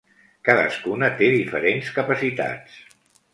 Cadascuna té diferents capacitats.